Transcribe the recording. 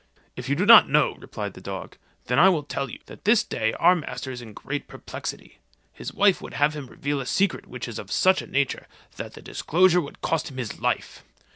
"If you do not know," replied the dog, "then I will tell you, that this day our master is in great perplexity. His wife would have him reveal a secret which is of such a nature, that the disclosure would cost him his life.